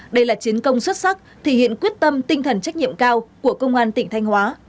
đây là chiến công xuất sắc thể hiện quyết tâm tinh thần trách nhiệm cao của công an tỉnh thanh hóa